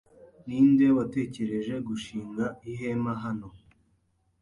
Ni nde watekereje gushinga ihema hano?